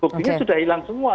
buktinya sudah hilang semua